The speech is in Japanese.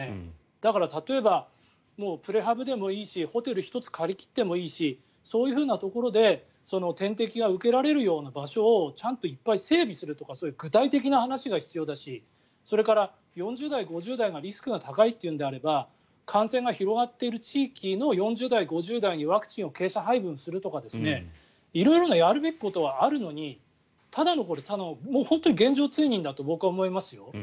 だから例えばプレハブでもいいしホテル１つ借り切ってもいいしそういうところで点滴が受けられるような場所をちゃんといっぱい整備するとかそういう具体的な話が必要だしそれから４０代、５０代がリスクが高いというのであれば感染が広がっている地域の４０代、５０代にワクチンを傾斜配分するとか色々やるべきことはあるのにただのこれは現状追認だと僕は思いますよ。